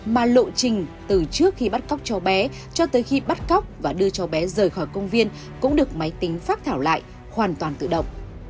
mà lộ trình từ trước khi bắt cóc cháu bé cho tới khi bắt cóc và đưa cháu bé rời khỏi công viên cũng được máy tính phát thảo lại hoàn toàn tự động